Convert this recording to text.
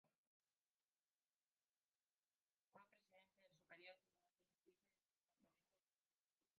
Fue presidente del Superior Tribunal de Justicia de la Provincia de Tucumán.